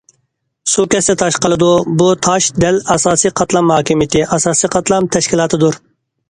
‹‹ سۇ كەتسە تاش قالىدۇ››، بۇ تاش دەل ئاساسىي قاتلام ھاكىمىيىتى، ئاساسىي قاتلام تەشكىلاتىدۇر.